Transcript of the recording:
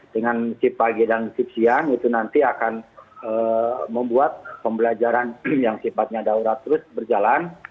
dengan sip pagi dan ship siang itu nanti akan membuat pembelajaran yang sifatnya daurat terus berjalan